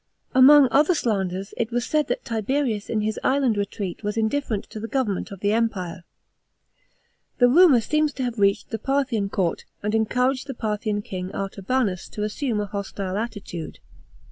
§ 22. Among other slanders, it was said that Tiberius in his island retreat was indifferent to the government of the Empire. The rumour seems to have reached the Parthian court and en couraged the Parthian king Artabanus to assume a hostile attitude.